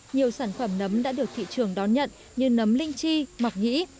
nhiều sản phẩm nấm đã được thị trường đón nhận như nấm linh chi mọc nhĩ